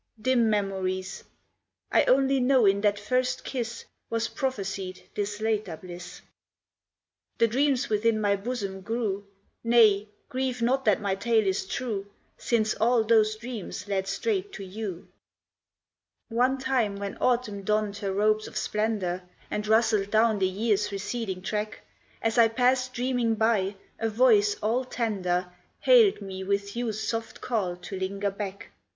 dim memories; I only know in that first kiss Was prophesied this later bliss. The dreams within my bosom grew; Nay, grieve not that my tale is true, Since all those dreams led straight to you. One time when Autumn donned her robes of splendour And rustled down the year's receding track, As I passed dreaming by, a voice all tender Haled me with youth's soft call to linger back.